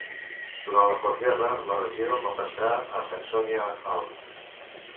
Durant la postguerra, la regió va passar a Saxònia-Anhalt.